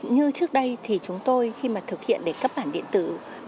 như trước đây thì chúng tôi khi mà thực hiện để cấp bản điện tử